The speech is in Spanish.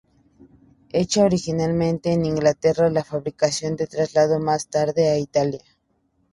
Hecha originalmente en Inglaterra, la fabricación se trasladó más tarde a Italia.